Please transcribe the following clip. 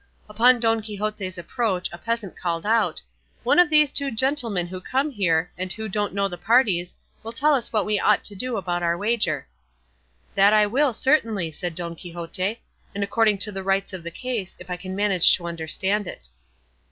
Upon Don Quixote's approach a peasant called out, "One of these two gentlemen who come here, and who don't know the parties, will tell us what we ought to do about our wager." "That I will, certainly," said Don Quixote, "and according to the rights of the case, if I can manage to understand it."